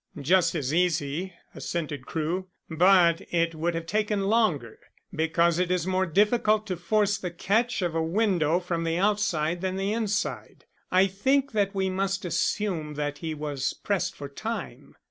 "Just as easy," assented Crewe. "But it would have taken longer, because it is more difficult to force the catch of a window from the outside than the inside. I think that we must assume that he was pressed for time."